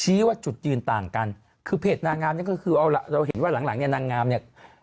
ชี้ว่าจุดยืนต่างกันคือเพจนางามเนี่ยก็คือเราเห็นว่าหลังเนี่ยนางามเนี่ย